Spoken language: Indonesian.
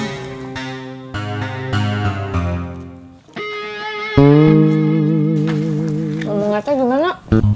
kalau benarnya gimana